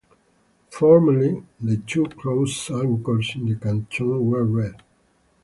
Formerly, the two crossed anchors in the canton were red.